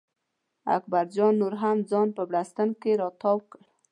اکبر جان نور هم ځان په بړسټن کې را تاو کړ.